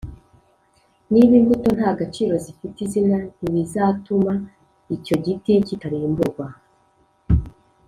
. Niba imbuto nta gaciro zifite, izina ntirizatuma icyo giti kitarimburwa